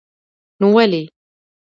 نو ولې.